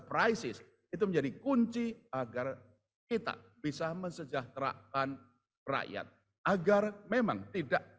krisis itu menjadi kunci agar kita bisa mensejahterakan rakyat agar memang tidak